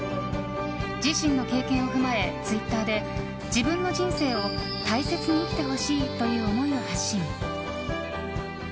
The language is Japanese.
自身の経験を踏まえツイッターで自分の人生を大切に生きてほしいという思いを発信。